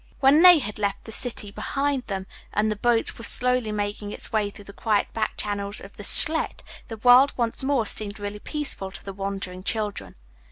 When they had left the city behind them and the boat was slowly making its way through the quiet back channels of the Scheldt the world once more seemed really peaceful to the wandering children.